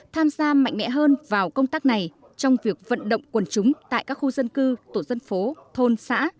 tham gia mạnh mẽ hơn vào công tác này trong việc vận động quần chúng tại các khu dân cư tổ dân phố thôn xã